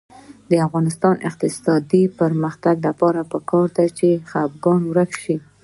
د افغانستان د اقتصادي پرمختګ لپاره پکار ده چې خپګان ورک شي.